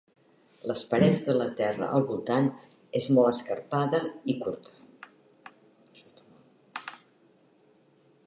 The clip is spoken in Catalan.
Les parets de la terra al voltant és molt escarpada i curta.